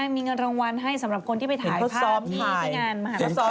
มีเงินรางวัลให้สำหรับคนที่ไปถ่ายซ้อมที่งานมหานคร